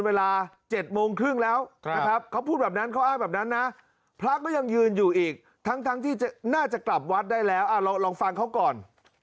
แบบนั้นนะพระก็ยังยืนอยู่อีกทั้งทางที่จะน่าจะกลับวัดได้แล้วอ่าเราลองฟังเขาก่อน